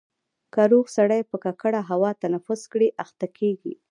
که روغ سړی په ککړه هوا تنفس کړي اخته کېږي.